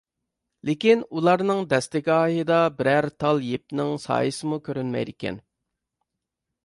لېكىن ئۇلارنىڭ دەستىگاھىدا بىرەر تال يىپنىڭ سايىسىمۇ كۆرۈنمەيدىكەن.